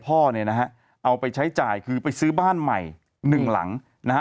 พ่อเนี่ยนะฮะเอาไปใช้จ่ายคือไปซื้อบ้านใหม่หนึ่งหลังนะฮะ